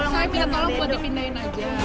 saya minta tolong ya supaya dipindahin aja